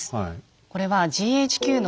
これはＧＨＱの占領下